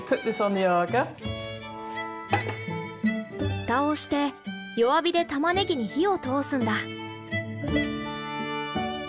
フタをして弱火でタマネギに火を通すんだ。